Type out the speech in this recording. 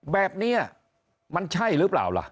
แบบนี้มันใช่หรือเปล่าล่ะ